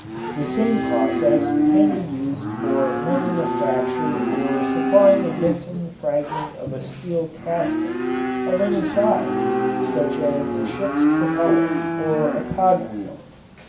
The same process can be used for mending a fracture or supplying a missing fragment of a steel casting of any size, such as a ship's propeller or a cogwheel.